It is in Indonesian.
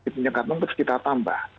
penyekatan harus kita tambah